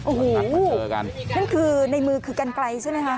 โอ้โหนั่นคือในมือคือกันไกลใช่ไหมฮะ